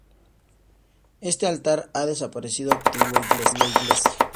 Este altar ha desaparecido con la antigua iglesia.